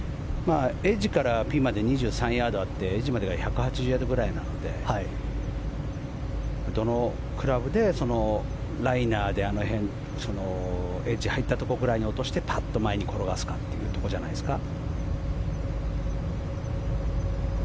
エッジからピンまで２３ヤードあってエッジまでが１８０ヤードくらいなのでどのクラブでライナーであの辺エッジに入ったところぐらいに落としてパット前に転がすかというところじゃないですか。